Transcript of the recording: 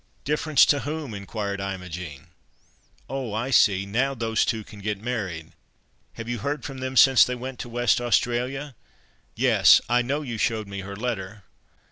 "Difference to whom?" inquired Imogen. "Oh! I see—now, those two can get married. Have you heard from them since they went to West Australia? Yes, I know, you showed me her letter."